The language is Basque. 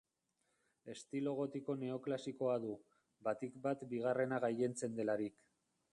Estilo gotiko-neoklasikoa du, batik bat bigarrena gailentzen delarik.